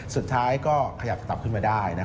สุดท้ายก็ขยับตับขึ้นมาได้